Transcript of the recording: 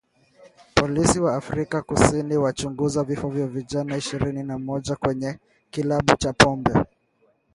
Polisi wa Afrika Kusini wachunguza vifo vya vijana ishirini na moja kwenye kilabu cha pombe